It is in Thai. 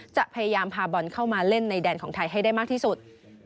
จะพยายามพาบอลเข้ามาเล่นในแดนของไทยให้ได้มากที่สุด